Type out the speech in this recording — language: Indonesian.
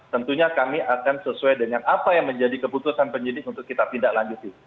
tentunya kami akan sesuai dengan apa yang menjadi keputusan penyidik untuk kita tindak lanjuti